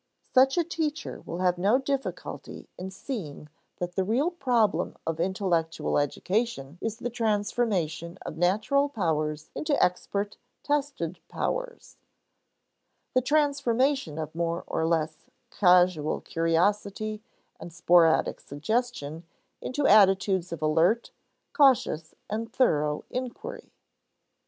Such a teacher will have no difficulty in seeing that the real problem of intellectual education is the transformation of natural powers into expert, tested powers: the transformation of more or less casual curiosity and sporadic suggestion into attitudes of alert, cautious, and thorough inquiry.